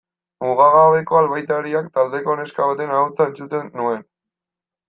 Mugagabeko Albaitariak taldeko neska baten ahotsa entzuten nuen.